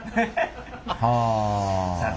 はあ。